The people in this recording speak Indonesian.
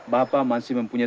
bapak masih mempunyai